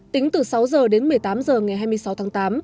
tính từ sáu h đến một mươi tám h ngày hai mươi sáu tháng tám